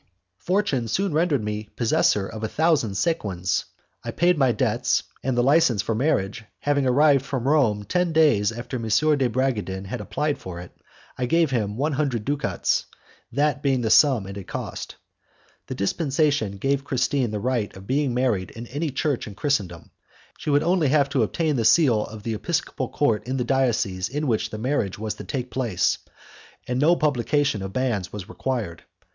Fortune soon rendered me possessor of a thousand sequins. I paid my debts, and the licence for the marriage having arrived from Rome ten days after M. de Bragadin had applied for it, I gave him one hundred ducats, that being the sum it had cost. The dispensation gave Christine the right of being married in any church in Christendom, she would only have to obtain the seal of the episcopal court of the diocese in which the marriage was to take place, and no publication of banns was required.